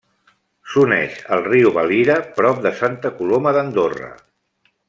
S'uneix al riu Valira prop de Santa Coloma d'Andorra.